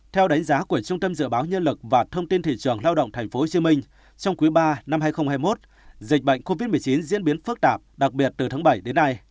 theo đánh giá của trung tâm dự báo nhân lực và thông tin thị trường lao động tp hcm trong quý ba năm hai nghìn hai mươi một dịch bệnh covid một mươi chín diễn biến phức tạp đặc biệt từ tháng bảy đến nay